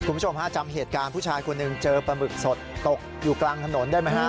คุณผู้ชมฮะจำเหตุการณ์ผู้ชายคนหนึ่งเจอปลาหมึกสดตกอยู่กลางถนนได้ไหมฮะ